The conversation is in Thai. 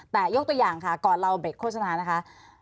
แต่ยกตัวอย่างค่ะก่อนเราเบรกโฆษณานะคะ